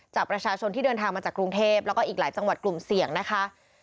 จากประชาชนที่เดินทางมาจากกรุงเทพแล้วก็อีกหลายจังหวัดกลุ่มเสี่ยงนะคะ